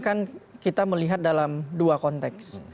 kan kita melihat dalam dua konteks